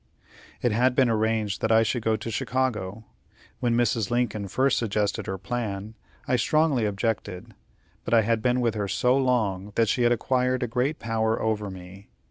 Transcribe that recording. It had been arranged that I should go to Chicago. When Mrs. Lincoln first suggested her plan, I strongly objected; but I had been with her so long, that she had acquired great power over me.